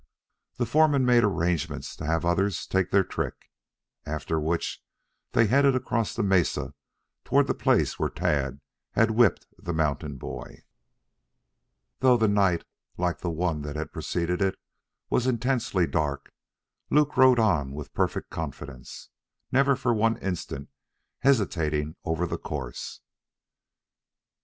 The foreman made arrangements to have others take their trick, after which they headed across the mesa toward the place where Tad had whipped the mountain boy. Though the night, like the one that had preceded it, was intensely dark, Luke rode on with perfect confidence, never for one instant hesitating over the course.